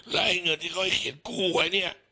และเงินที่เขาให้เขียนกู้ไว้นี่